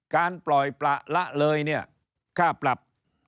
การปล่อยประละเลยเนี่ยค่าปรับ